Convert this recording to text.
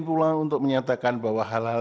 pula untuk menyatakan bahwa hal hal